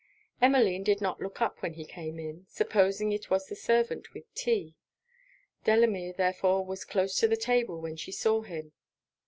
Emmeline did not look up when he came in, supposing it was the servant with tea. Delamere therefore was close to the table when she saw him.